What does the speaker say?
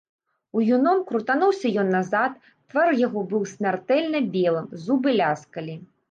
Уюном крутануўся ён назад, твар яго быў смяртэльна белым, зубы ляскалі.